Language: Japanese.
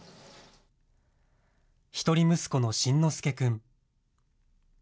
一人息子の慎之介くん。